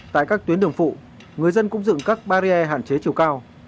tại các tuyến đường phụ người dân cũng dựng các barrier hạn chế chiều cao